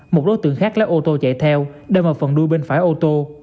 một đối tượng khác lái ô tô chạy theo đem vào phần đuôi bên phải ô tô